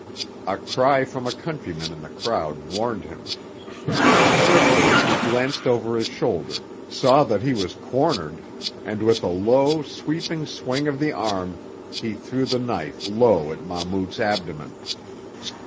A cry from a countryman in the crowd warned him. Swiftly he glanced over his shoulder, saw that he was cornered, and with a low, sweeping swing of the arm he threw the knife low at Mahmout's abdomen.